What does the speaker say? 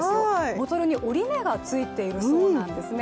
ボトルに折り目がついているそうなんですね。